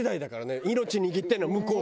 命握ってるのは向こうだから。